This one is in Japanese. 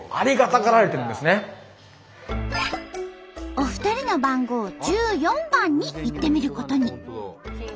お二人の番号１４番に行ってみることに。